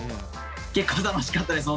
結構楽しかったです